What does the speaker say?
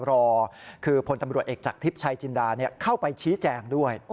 รอคือพลตำรวจเอกจากทิพย์ชัยจินดาเข้าไปชี้แจงด้วย